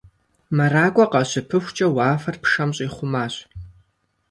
МэракӀуэ къащыпыхукӀэ, уафэр пшэм щӀихъумащ.